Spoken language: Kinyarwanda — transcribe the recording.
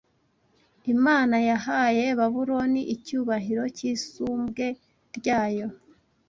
Imana yahaye Babuloni icyubahiro cy’isumbwe ryayo